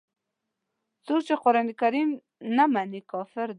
څوک چې قران نه مني کافر دی.